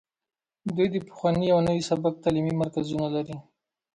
دوی د پخواني او نوي سبک تعلیمي مرکزونه لري